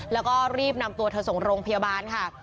แล้วก็รีบนำตัวเธอส่งโรงพยาบาลค่ะ